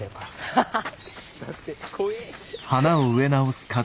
ハハハ。